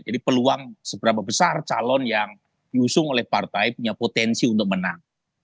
jadi peluang seberapa besar calon yang diusung oleh partai punya potensi untuk menang